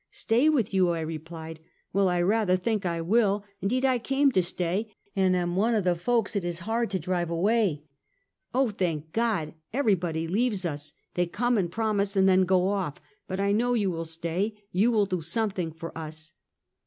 "" Stay with you?" I replied, " Well, I rather think I will, indeed; I came to stay, and am one of the folks it is hard to drive away !" "Oh! thank God; everybody leaves us; they come and promise, and then go off, but I know you will stay ; you will do something for us